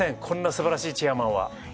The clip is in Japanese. こんなすばらしいチェアマンは。